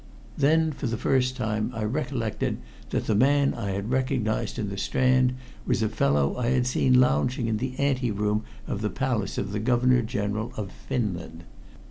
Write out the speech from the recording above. Then for the first time I recollected that the man I had recognized in the Strand was a fellow I had seen lounging in the ante room of the palace of the Governor General of Finland.